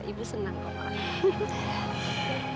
ibu senang kalau ada